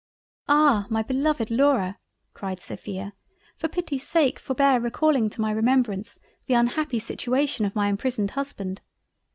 "Ah! my beloved Laura (cried Sophia) for pity's sake forbear recalling to my remembrance the unhappy situation of my imprisoned Husband.